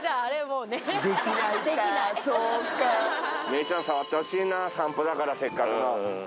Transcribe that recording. メェちゃん触ってほしいな散歩だからせっかくの。